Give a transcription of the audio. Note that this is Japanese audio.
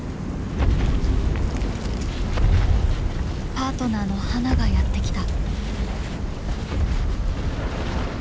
パートナーのハナがやって来た。